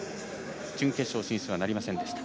準決勝進出はなりませんでした。